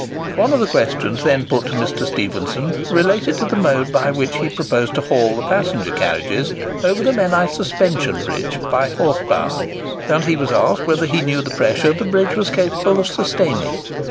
One of the questions then put to Mr. Stephenson related to the mode by which he proposed to haul the passenger carriages over the Menai Suspension Bridge by horse power; and he was asked whether he knew the pressure the bridge was capable of sustaining.